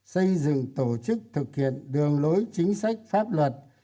xây dựng tổ chức thực hiện đường lối chính sách pháp luật